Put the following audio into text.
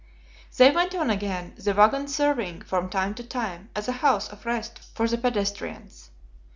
They went on again, the wagon serving, from time to time, as a house of rest for the pedestrians.